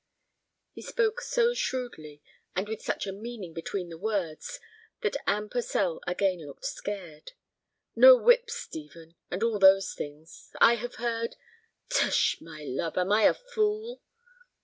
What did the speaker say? He spoke so shrewdly, and with such a meaning between the words that Anne Purcell again looked scared. "No whips, Stephen, and all those things. I have heard—" "Tush, my love, am I a fool?"